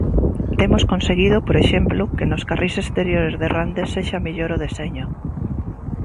Temos conseguido, por exemplo, que nos carrís exteriores de Rande sexa mellor o deseño.